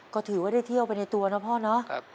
ก็ถือว่าได้เที่ยวไปในตัวนะพ่อเนาะ